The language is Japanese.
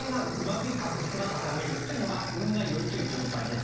というのが運が良い状態です。